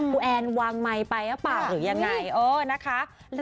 กูแอนด์วางมายไปละป่ะหรือยังไง